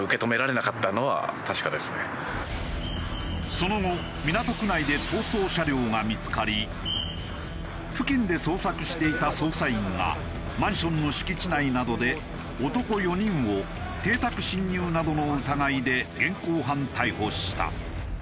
その後港区内で逃走車両が見付かり付近で捜索していた捜査員がマンションの敷地内などで男４人を邸宅侵入などの疑いで現行犯逮捕した。